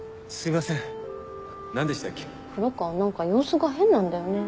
何か様子が変なんだよね。